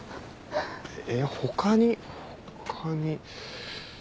え他に他に。